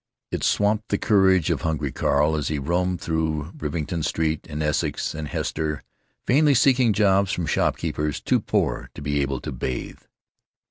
It swamped the courage of hungry Carl as he roamed through Rivington Street and Essex and Hester, vainly seeking jobs from shopkeepers too poor to be able to bathe.